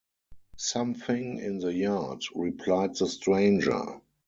‘Something in the yard,’ replied the stranger.